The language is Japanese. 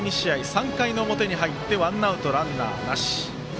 ３回の表に入ってワンアウト、ランナーなし。